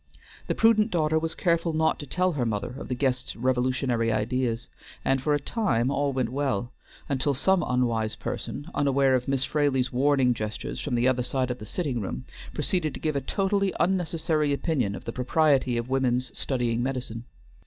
The prudent daughter was careful not to tell her mother of the guest's revolutionary ideas, and for a time all went well, until some unwise person, unaware of Miss Fraley's warning gestures from the other side of the sitting room, proceeded to give a totally unnecessary opinion of the propriety of women's studying medicine.